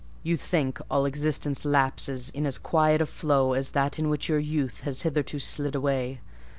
You think all existence lapses in as quiet a flow as that in which your youth has hitherto slid away.